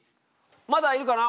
まだいるかな？